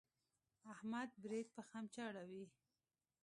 احمد برېت په خمچه اړوي.